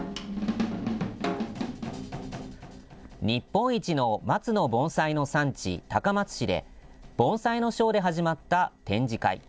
日本一の松の盆栽の産地、高松市で、盆栽のショーで始まった展示会。